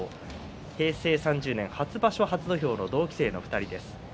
平成３０年、初場所、初土俵の同期生の２人です。